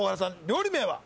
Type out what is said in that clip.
料理名は？